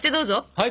はい！